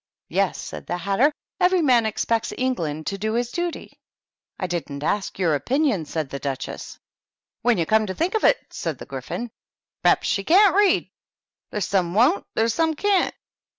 "Yes," said the Hatter, "every man expects England to do his duty." "I didn't ask your opinion," said the Duch ess. "When you come to think of it," said the Gryphon, "p'raps she canH read. There's some won't and there's some can't.